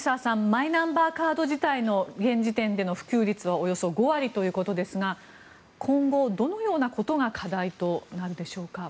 マイナンバーカード自体の現時点での普及率はおよそ５割ということですが今後、どのようなことが課題となるでしょうか。